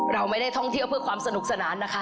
เราไม่ได้ท่องเที่ยวเพื่อความสนุกสนานนะคะ